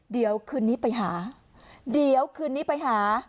เดี๋ยวคืนนี้ไปหาเดี๋ยวคืนนี้ไปหา